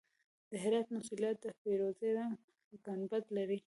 د هرات موسیلا د فیروزي رنګ ګنبد لري